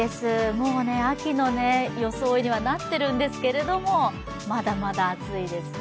もう秋の装いにはなっているんですけれどもまだまだ暑いですね。